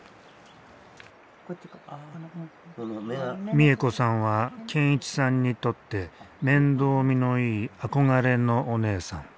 美恵子さんは健一さんにとって面倒見のいい憧れのおねえさん。